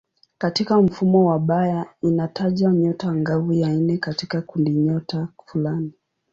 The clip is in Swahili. Katika mfumo wa Bayer inataja nyota angavu ya nne katika kundinyota fulani.